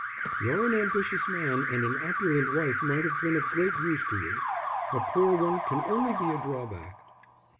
"You're an ambitious man, and an opulent wife might have been of great use to you: a poor one can only be a drawback."